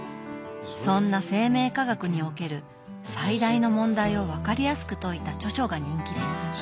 そんな生命科学における最大の問題を分かりやすく説いた著書が人気です。